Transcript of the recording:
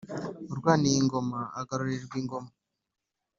arwaniye ingoma agororerwa ingoma.